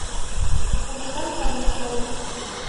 — Уныкам канаш толын.